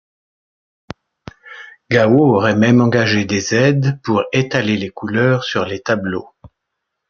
Gao aurait même engagé des aides pour étaler les couleurs sur les tableaux.